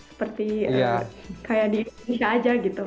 seperti kayak di indonesia aja gitu